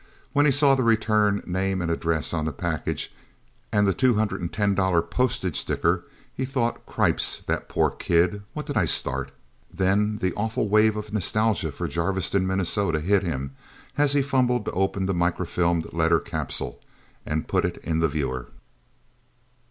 When he saw the return name and address on the package, and the two hundred ten dollar postage sticker, he thought, Cripes that poor kid what did I start? Then the awful wave of nostalgia for Jarviston, Minnesota, hit him, as he fumbled to open the microfilmed letter capsule, and put it in the viewer.